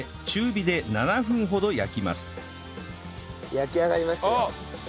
焼き上がりましたよ。